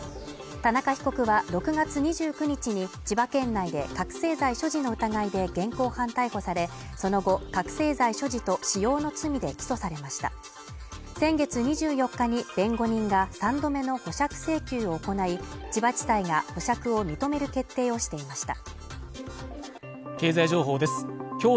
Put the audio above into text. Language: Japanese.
田中被告は６月２９日に千葉県内で覚醒剤所持の疑いで現行犯逮捕されその後覚醒剤所持と使用の罪で起訴されました先月２４日に弁護人が３度目の保釈請求を行い千葉地裁が保釈を認める決定をしていました